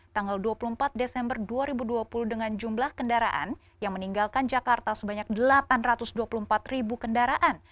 tanggal dua puluh empat desember dua ribu dua puluh dengan jumlah kendaraan yang meninggalkan jakarta sebanyak delapan ratus dua puluh empat ribu kendaraan